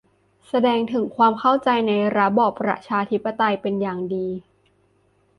แสดงถึงความเข้าใจในระบอบประชาธิปไตยเป็นอย่างดี